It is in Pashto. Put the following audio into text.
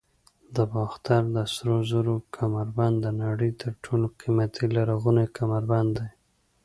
د باختر د سرو زرو کمربند د نړۍ تر ټولو قیمتي لرغونی کمربند دی